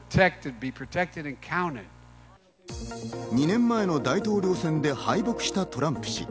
２年前の大統領選で敗北したトランプ氏。